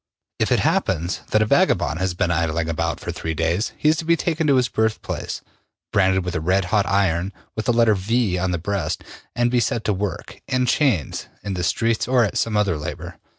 If it happens that a vagabond has been idling about for three days, he is to be taken to his birthplace, branded with a redhot iron with the letter V on the breast and be set to work, in chains, in the streets or at some other labor.